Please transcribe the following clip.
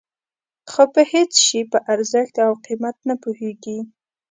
خو په هېڅ شي په ارزښت او قیمت نه پوهېږي.